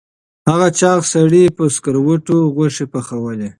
هغه چاغ سړي په سکروټو غوښې پخولې.